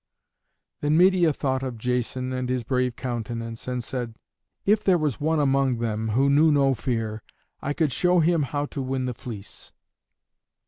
Then Medeia thought of Jason and his brave countenance, and said, "If there was one among them who knew no fear, I could show him how to win the fleece."